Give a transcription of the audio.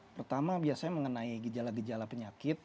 pertama biasanya mengenai gejala gejala penyakit